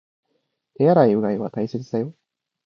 手洗い、うがいは大切だよ